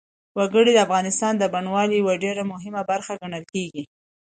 وګړي د افغانستان د بڼوالۍ یوه ډېره مهمه برخه ګڼل کېږي.